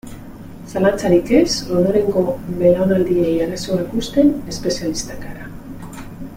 Zalantzarik ez, ondorengo belaunaldiei arazoak uzten espezialistak gara.